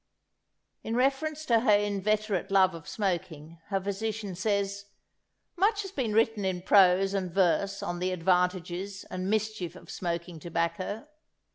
" In reference to her inveterate love of smoking, her physician says, "Much has been written in prose and verse on the advantages and mischief of smoking tobacco....